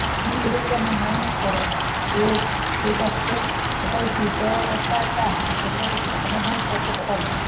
Me লেগেটকে আমার নাম করে বেদান্ত সোসাইটির ব্যাপারটার যথোচিত সমাধান করতে বল।